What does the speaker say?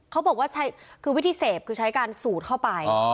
เขาบอกว่าคือวิธีเสพคือใช้การสูดเข้าไป